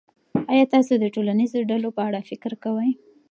آیا تاسو د ټولنیزو ډلو په اړه فکر کوئ.